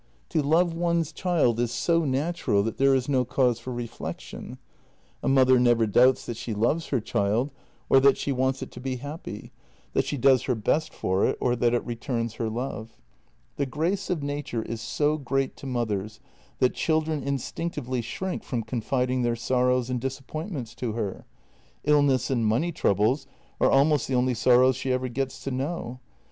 To love one's child is so natural that there is no cause for reflec tion. A mother never doubts that she loves her child, or that she wants it to be happy — that she does her best for it, or that it returns her love. The grace of nature is so great to mothers that children instinctively shrink from confiding their sorrows and disappointments to her; illness and money troubles are almost the only sorrows she ever gets to know.